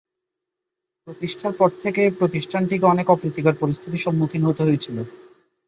প্রতিষ্ঠার পর থেকে প্রতিষ্ঠানটিকে অনেক অপ্রীতিকর পরিস্থিতির সম্মুখীন হতে হয়েছিল।